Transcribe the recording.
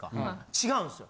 違うんですよ